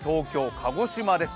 鹿児島、東京です。